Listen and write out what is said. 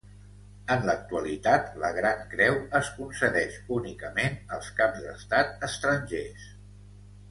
En l'actualitat la Gran Creu es concedeix únicament als caps d'estat estrangers.